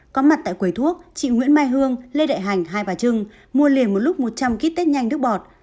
có mặt tại quầy thuốc chị nguyễn mai hương lê đại hành hai bà trưng mua liền một lúc một trăm linh kit test nhanh nước bọt